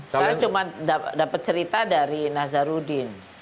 saya cuma dapat cerita dari nazarudin